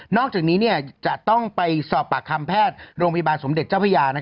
อกจากนี้จะต้องไปสอบปากคำแพทย์โรงพยาบาลสมเด็จเจ้าพระยา